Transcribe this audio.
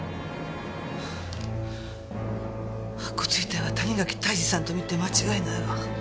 白骨遺体は谷垣泰治さんとみて間違いないわ。